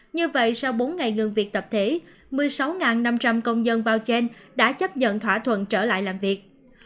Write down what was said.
như vậy sau bốn ngày ngừng việc tập thể một mươi sáu năm trăm linh công dân bao chen đã chấp nhận thỏa thuận trở lại làm việc